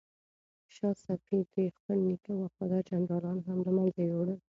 شاه صفي د خپل نیکه وفادار جنرالان هم له منځه یووړل.